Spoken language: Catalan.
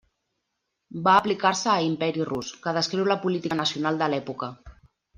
Va aplicar-se a Imperi rus, que descriu la política nacional de l'època.